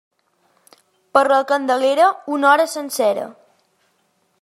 Per la Candelera, una hora sencera.